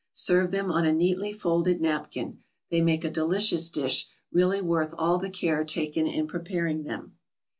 Serve them on a neatly folded napkin. They make a delicious dish, really worth all the care taken in preparing them.